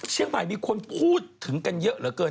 เชียงใหม่มีคนพูดถึงกันเยอะเหลือเกิน